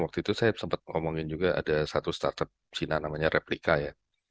waktu itu saya sempat ngomongin juga ada satu startup china namanya replika ya